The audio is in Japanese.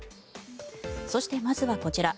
そして、まずはこちら。